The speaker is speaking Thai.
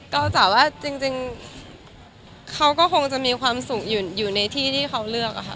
ก็แต่ว่าจริงเขาก็คงจะมีความสุขอยู่ในที่ที่เขาเลือกอะค่ะ